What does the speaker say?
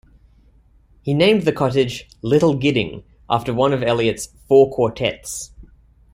He named the cottage "Little Gidding" after one of Eliot's "Four Quartets".